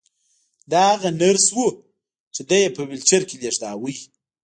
دا هغه نرس وه چې دی یې په ويلچر کې لېږداوه